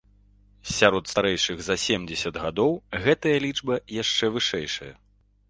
Сярод старэйшых за семдзесят гадоў гэтая лічба яшчэ вышэйшая.